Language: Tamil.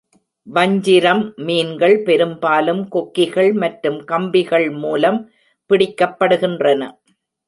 வஞ்சிரம் மீன்கள் பெரும்பாலும் கொக்கிகள் மற்றும் கம்பிகள் மூலம் பிடிக்கப்படுகின்றன.